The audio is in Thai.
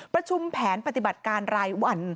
ประชุมแผนปฏิบัติการรายวัน